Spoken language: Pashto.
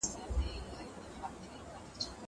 پلار د زوی مخته حلال کړي